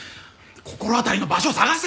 心当たりの場所を捜せ！